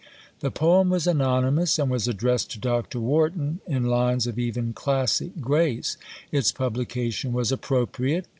The poem was anonymous, and was addressed to Dr. Warton in lines of even classic grace. Its publication was appropriate.